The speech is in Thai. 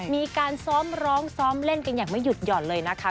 มีการซ้อมร้องซ้อมเล่นกันอย่างไม่หยุดหย่อนเลยนะคะ